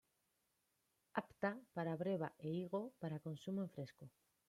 Apta para breva e higo para consumo en fresco.